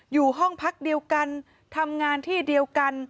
อยู่ห้องพักเดียวกันทำงานที่เดียวกัน